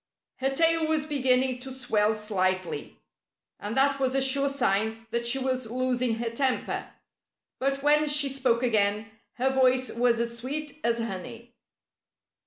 Her tail was beginning to swell slightly. And that was a sure sign that she was losing her temper. But when she spoke again her voice was as sweet as honey.